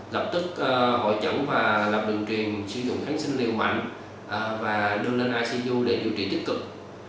lập tức hội chẩn và lập bệnh truyền sử dụng kháng sinh liều mạnh và đưa lên ishizu để điều trị tích cực